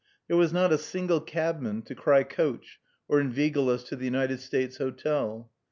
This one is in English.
There was not a single cabman to cry "Coach!" or inveigle us to the United States Hotel.